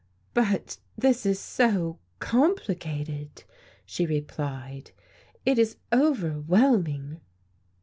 "But this is so complicated," she replied. "It is overwhelming."